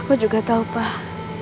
aku juga tahu pak